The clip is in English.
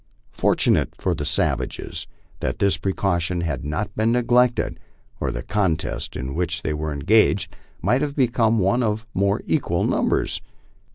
Fortunate for the savages that this precaution had not been neglected, or the contest in which they were engaged might have become one of more equal numbers.